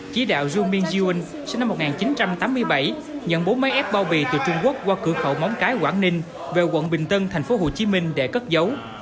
chỉ đạo zhu mingzhuang sinh năm một nghìn chín trăm tám mươi bảy nhận bố máy ép bao bì từ trung quốc qua cửa khẩu móng cái quảng ninh về quận bình tân thành phố hồ chí minh để cất dấu